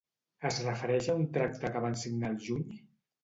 Es refereix a un tracte que van signar al juny?